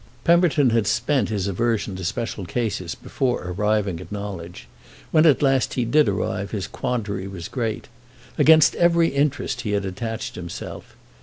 Pemberton had spent his aversion to special cases before arriving at knowledge. When at last he did arrive his quandary was great. Against every interest he had attached himself.